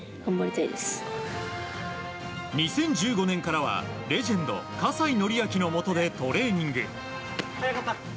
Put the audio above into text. ２０１５年からはレジェンド葛西紀明のもとでトレーニング。